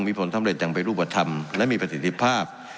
มีผลสำเร็จอย่างเป็นรูปธรรมและมีประสิทธิภาพ